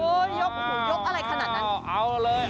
ยกหูยกอะไรขนาดนั้นเอาเลย